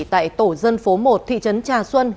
tại tổ dân phố một thị trấn trà xuân